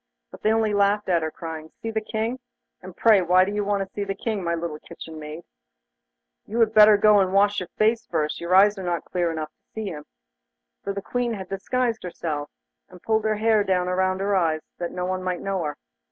But they only laughed at her, crying: 'See the King? And pray, why do you want to see the King, my little kitchen maid? You had better go and wash your face first, your eyes are not clear enough to see him!' For the Queen had disguised herself, and pulled her hair down about her eyes, that no one might know her.